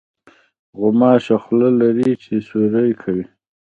غوماشه خوله لري چې سوري کوي.